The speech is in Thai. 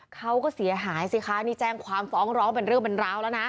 เขาก็เสียหายสิคะนี่แจ้งความฟ้องร้องเป็นเรื่องเป็นราวแล้วนะ